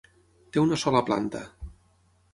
Té una sola planta.